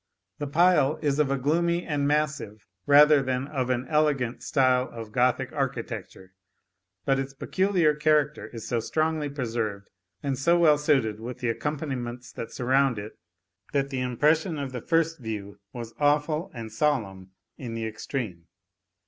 The pile is of a gloomy and massive, rather than of an elegant, style of Gothic architecture; but its peculiar character is so strongly preserved, and so well suited with the accompaniments that surround it, that the impression of the first view was awful and solemn in the extreme.